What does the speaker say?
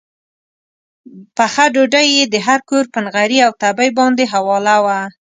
پخه ډوډۍ یې د هر کور پر نغري او تبۍ باندې حواله وه.